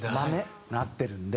なってるんで。